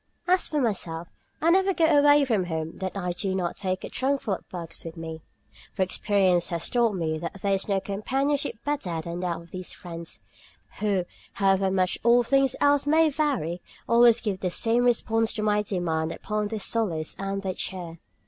As for myself, I never go away from home that I do not take a trunkful of books with me, for experience has taught me that there is no companionship better than that of these friends, who, however much all things else may vary, always give the same response to my demand upon their solace and their cheer.